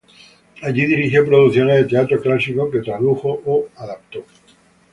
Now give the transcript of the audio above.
Allí dirigió producciones de teatro clásico, que tradujo o adaptó.